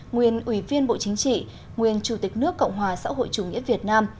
nguyên ủy viên bộ chính trị nguyên chủ tịch nước cộng hòa xã hội chủ nghĩa việt nam